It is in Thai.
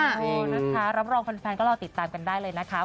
เออนะคะรับรองแฟนก็รอติดตามกันได้เลยนะคะ